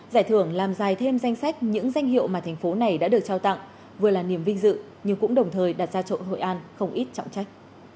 giải thưởng làm dài thêm danh sách những danh hiệu mà thành phố này đã được trao tặng vừa là niềm vinh dự nhưng cũng đồng thời đặt ra cho hội an không ít trọng trách